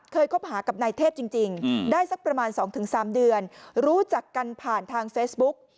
คบหากับนายเทพจริงได้สักประมาณ๒๓เดือนรู้จักกันผ่านทางเฟซบุ๊ก